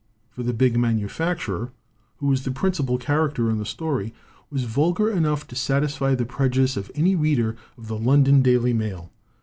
For the big manufacturer who was the princi pal character in the story was vulgar enough to satisfy the prejudice of any reader of the London Daily Mail.